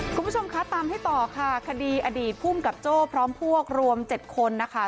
คุณผู้ชมคะตามให้ต่อค่ะคดีอดีตภูมิกับโจ้พร้อมพวกรวม๗คนนะคะ